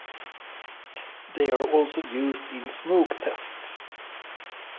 They are also used in smoke tests.